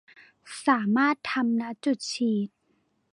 สามารถทำ ณ จุดฉีด